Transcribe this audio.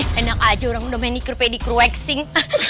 eh enak aja orang udah main ikur pedikru waxing